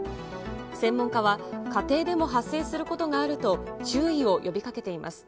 専門家は、家庭でも発生することがあると、注意を呼びかけています。